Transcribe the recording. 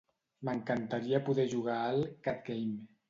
M'encantaria poder jugar al "Cat game".